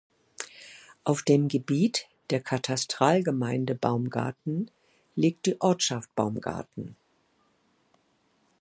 Auf dem Gebiet der Katastralgemeinde Baumgarten liegt die Ortschaft Baumgarten.